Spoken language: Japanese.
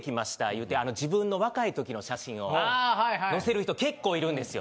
言うて自分の若い時の写真を載せる人結構いるんですよ。